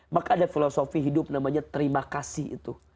maka ada filosofi hidup namanya terima kasih itu